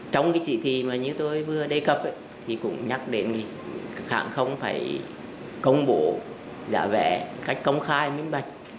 trong cái chỉ thị mà như tôi vừa đề cập thì cũng nhắc đến hãng không phải công bố giả vé cách công khai miễn bạch